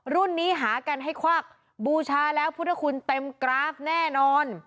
รุ่นนี้หากันให้ควักบูชาแล้วพุทธคุณเต็มกราฟแน่นอน